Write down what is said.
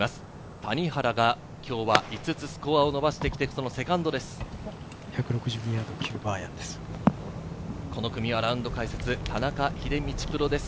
谷原が、今日は５つスコアを伸ばしてきて、セカンドです。